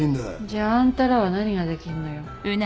じゃあんたらは何ができんのよ。